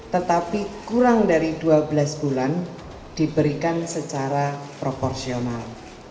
tetapi kurang dari dua belas bulan diberikan secara proporsional